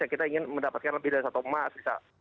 kita ingin mendapatkan lebih dari satu emas